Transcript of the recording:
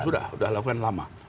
sudah sudah lakukan lama